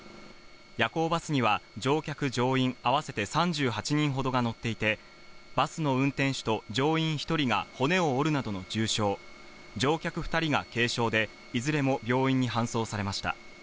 夜行バスには乗客乗員合わせて３８人ほどが乗っていて、バスの運転手と乗員１人が骨を折るなどの重傷、乗客２人が軽傷でいずれも病院に搬送されました。